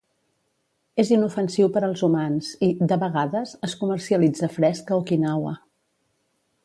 És inofensiu per als humans i, de vegades, es comercialitza fresc a Okinawa.